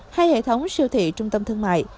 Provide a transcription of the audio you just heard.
hay hệ thống siêu thị trung tâm thương mại